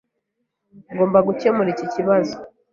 Ngomba gukemura iki kibazo.